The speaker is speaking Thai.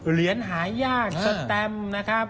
เหรียญหายากสแตมนะครับ